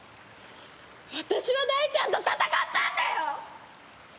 私は大ちゃんと戦ったんだよ！？